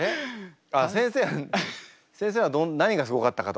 あっ先生先生は何がすごかったかと？